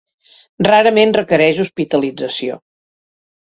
Rarament requereix hospitalització.